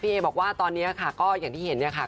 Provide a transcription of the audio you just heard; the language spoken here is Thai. เอบอกว่าตอนนี้ค่ะก็อย่างที่เห็นเนี่ยค่ะ